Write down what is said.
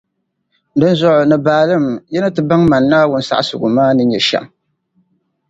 Dinzuɣu ni baalim, yi ni ti baŋ Mani Naawuni saɣisigu maa ni nyɛ shεm.